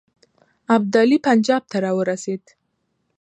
ابدالي پنجاب ته را ورسېد.